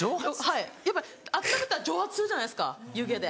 やっぱ温めたら蒸発するじゃないですか湯気で。